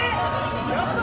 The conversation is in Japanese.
やった！